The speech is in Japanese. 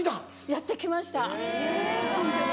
やってきましたホントに。